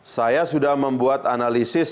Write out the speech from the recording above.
saya sudah membuat analisis